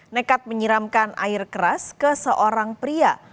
nekat menyiramkan air keras ke seorang pria